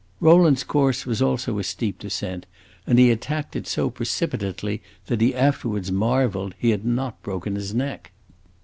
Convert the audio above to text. Rowland's course was also a steep descent, and he attacked it so precipitately that he afterwards marveled he had not broken his neck.